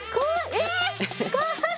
えっ！